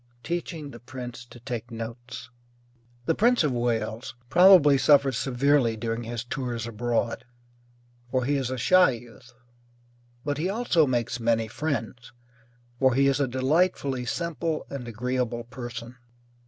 TEACHING THE PRINCE TO TAKE NOTES The Prince of Wales probably suffers severely during his tours abroad, for he is a shy youth; but he also makes many friends, for he is a delightfully simple and agreeable person.